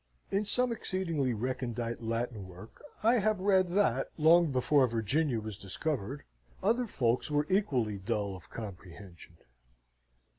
In some exceedingly recondite Latin work I have read that, long before Virginia was discovered, other folks were equally dull of comprehension.